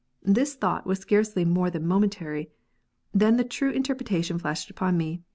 This thought was scarcely more than momentary ; then the true interpretation flashed upon me.